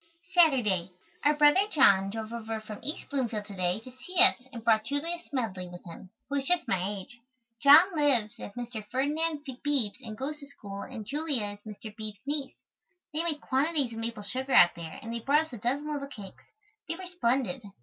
Saturday. Our brother John drove over from East Bloomfield to day to see us and brought Julia Smedley with him, who is just my age. John lives at Mr. Ferdinand Beebe's and goes to school and Julia is Mr. Beebe's niece. They make quantities of maple sugar out there and they brought us a dozen little cakes. They were splendid.